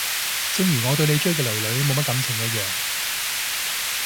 正如我對你追嘅囡囡冇乜感情一樣